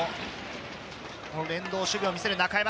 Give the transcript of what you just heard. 連動守備を見せる中山。